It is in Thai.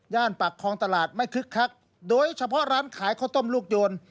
ปากคลองตลาดไม่คึกคักโดยเฉพาะร้านขายข้าวต้มลูกโยน